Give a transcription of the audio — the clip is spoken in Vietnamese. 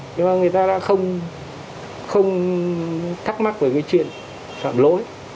nhưng mà người ta đã không thắc mắc về cái chuyện phạm lỗi